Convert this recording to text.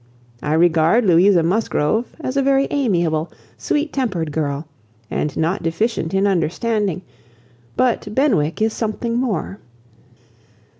I regard Louisa Musgrove as a very amiable, sweet tempered girl, and not deficient in understanding, but Benwick is something more.